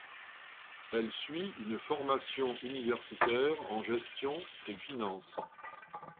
Elle suit une formation universitaire en gestion et finance.